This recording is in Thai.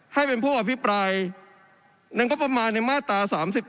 ให้เป็นผู้อภิปรายในงบประมาณในมาตรา๓๘